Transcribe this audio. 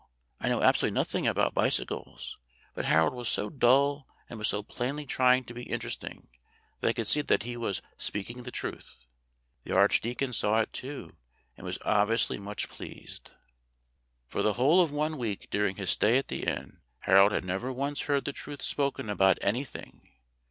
I know absolutely nothing about bicycles, but Harold was so dull and was so plainly trying to be interesting that I could see that he was speaking the truth. The archdeacon saw it too, and was obviously much pleased." For the whole of one week during his stay at the inn Harold had never once heard the truth spoken about anything.